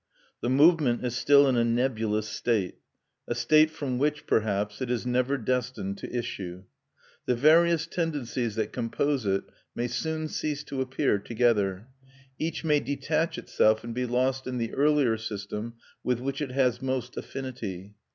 The movement is still in a nebulous state, a state from which, perhaps, it is never destined to issue. The various tendencies that compose it may soon cease to appear together; each may detach itself and be lost in the earlier system with which it has most affinity.